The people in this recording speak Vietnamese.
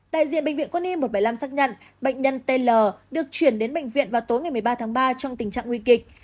đại diện bệnh viện quân y một trăm bảy mươi năm xác nhận bệnh nhân tên l được chuyển đến bệnh viện vào tối ngày một mươi ba tháng ba trong tình trạng nguy kịch